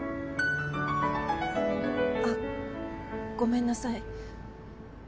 あごめんなさい。